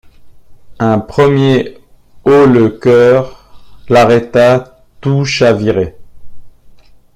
Un premier haut-le-cœur l’arrêta, tout chavirait.